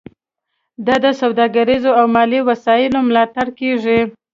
دا د سوداګریزو او مالي وسایلو ملاتړ کیږي